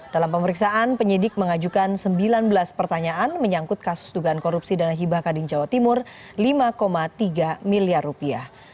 dalam pemeriksaan penyidik mengajukan sembilan belas pertanyaan menyangkut kasus dugaan korupsi dana hibah kadin jawa timur lima tiga miliar rupiah